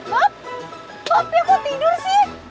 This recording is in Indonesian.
bap bap ya aku tidur sih